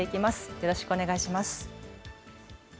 よろしくお願いします。